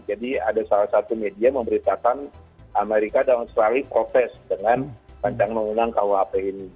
jadi ada salah satu media memberitakan amerika dan australia protes dengan panjang mengenang rukuhp ini